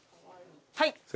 はい。